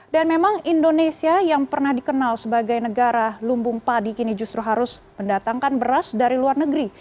dan memang indonesia yang pernah dikenal sebagai negara lumbung padi kini justru harus mendatangkan beras dari luar negeri